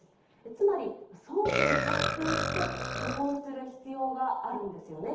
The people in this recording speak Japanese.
つまり、早期に発見して処方する必要があるんですよね。